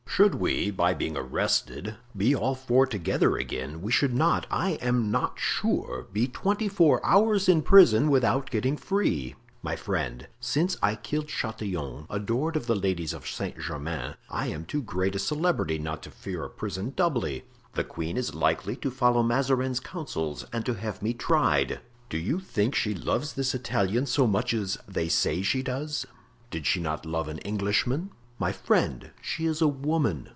"Should we, by being arrested, be all four together again, we should not, I am not sure, be twenty four hours in prison without getting free." "My friend, since I killed Chatillon, adored of the ladies of Saint Germain, I am too great a celebrity not to fear a prison doubly. The queen is likely to follow Mazarin's counsels and to have me tried." "Do you think she loves this Italian so much as they say she does?" "Did she not love an Englishman?" "My friend, she is a woman."